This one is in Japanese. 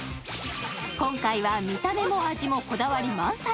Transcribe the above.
今回は見た目も味もこだわり満載。